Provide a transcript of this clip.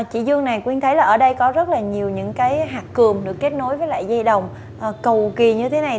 chị dương này quyên thấy ở đây có rất nhiều hạt cường được kết nối với dây đồng cầu kì như thế này